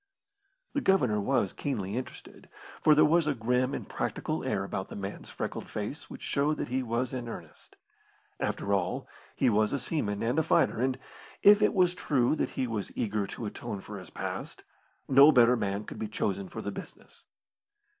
The Governor was keenly interested, for there was a grim and practical air about the man's freckled face which showed that he was in earnest. After all, he was a seaman and a fighter, and, if it were true that he was eager to atone for his past, no better man could be chosen for the business.